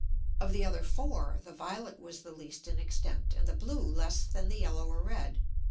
Of the other four, the violet was the least in extent, and the blue less than the yellow or red.